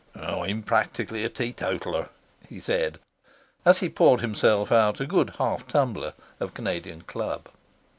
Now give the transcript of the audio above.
"I'm practically a teetotaller," he said, as he poured himself out a good half tumbler of Canadian Club.